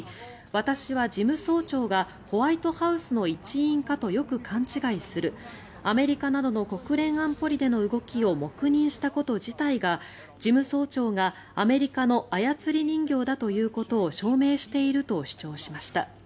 私は事務総長がホワイトハウスの一員かとよく勘違いするアメリカなどの国連安保理での動きを黙認したこと自体が事務総長がアメリカの操り人形だということを証明していると主張しました。